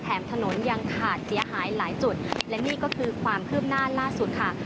ถนนยังขาดเสียหายหลายจุดและนี่ก็คือความคืบหน้าล่าสุดค่ะ